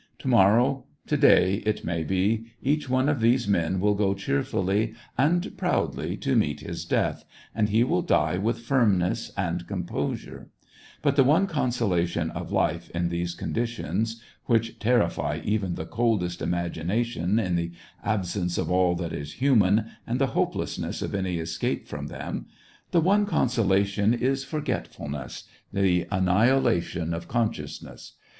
To morrow, to day, it may be, each one' of these men will go cheerfully and proudly to meet his death, and he will die with firmness and composure ; but the one consolation of life in these conditions, which terrify even the coldest imagination in the absence of all that is human, and the hopelessness of any escape from them, the one consolation is forgetfulness, the annihilation of consciousness.